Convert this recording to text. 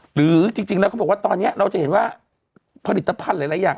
หรือจริงแล้วเขาบอกว่าตอนนี้เราจะเห็นว่าผลิตภัณฑ์หลายอย่าง